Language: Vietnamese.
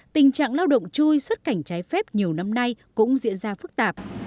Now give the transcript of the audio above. tình trạng lao động chui xuất cảnh trái phép nhiều năm nay cũng diễn ra phức tạp